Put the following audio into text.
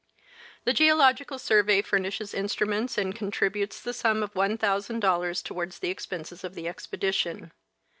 The Geological Survey furnishes instruments and contributes the sum of $1,000 towards the ex penses of the expedition.